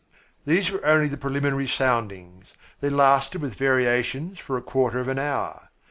These were only the preliminary soundings. They lasted with variations for a quarter of an hour.